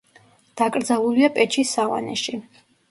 დაკრძალულია პეჩის სავანეში.